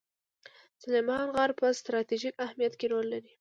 سلیمان غر په ستراتیژیک اهمیت کې رول لري.